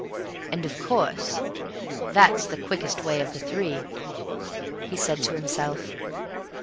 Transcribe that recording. "And, of course, that's the quickest way of the three," he said to himself.